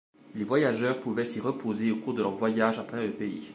Les voyageurs pouvaient s'y reposer au cours de leur voyage à travers le pays.